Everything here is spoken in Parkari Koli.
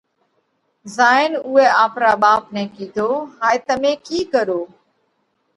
زائين اُوئہ آپرا ٻاپ نئہ ڪِيڌو: هائي تمي ڪِي ڪروه؟